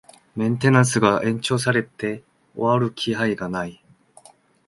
メンテナンスが延長されて終わる気配がない